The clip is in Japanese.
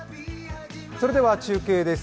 それでは中継です